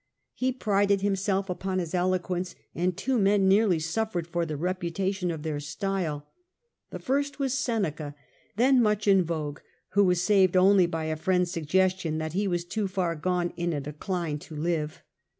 He prided himself upon his eloquence, and two men nearly suffered for the reputation of their style. The first was Seneca, then much in vogue, who was saved only by asin the case a friend's suggestion that he was too far gone of Seneca in a decline to live.